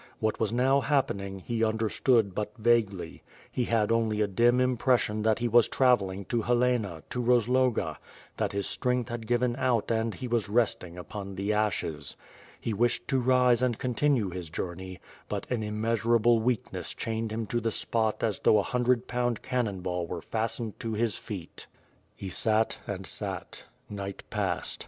What Vi^as now happening, he understood but vaguely; he had only a dim impression that he was travelling to Helena, to Rozloga; that his strength had given out and he was resting upon the ashes. He wished to rise and continue his journey, but an immeasurable weak ness chained him to the spot as though a hundred pound cannon ball were fastened to his feet. He sat and sat. Night passed.